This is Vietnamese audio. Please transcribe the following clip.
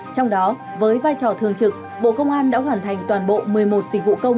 trong đó với vai trò thường trực bộ công an đã hoàn thành toàn bộ một mươi một dịch vụ công